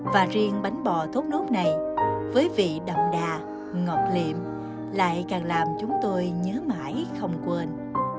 và riêng bánh bò thốt nốt này với vị đậm đà ngọt liệm lại càng làm chúng tôi nhớ mãi không quên